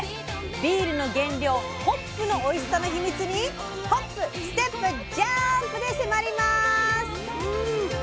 ビールの原料ホップのおいしさのヒミツにホップステップジャーンプで迫ります！